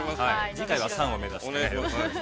◆次回は「賛」を目指してね。